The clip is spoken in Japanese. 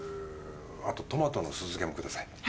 あとトマトの酢漬もください。